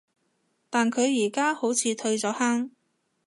但佢而家好似退咗坑